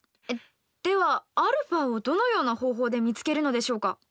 ではαをどのような方法で見つけるのでしょうか？